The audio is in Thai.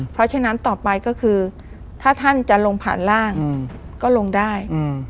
เพราะฉะนั้นต่อไปก็คือถ้าท่านจะลงผ่านร่างก็ลงได้